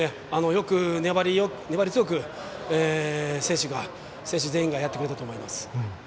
よく粘り強く選手全員がやってくれたと思います。